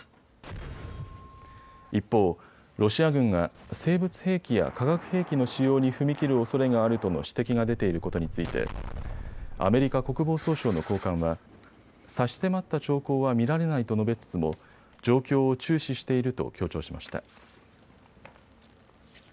一方、ロシア軍が生物兵器や化学兵器の使用に踏み切るおそれがあるとの指摘が出ていることについてアメリカ国防総省の高官は差し迫った兆候は見られないと述べつつも状況を注視していると強調しました。